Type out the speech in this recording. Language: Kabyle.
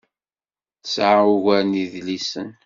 Tesɛa ugar n yedlisen.